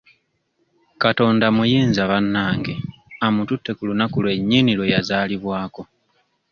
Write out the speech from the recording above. Katonda muyinza bannange amututte ku lunaku lwe nnyini lwe yazaalibwako.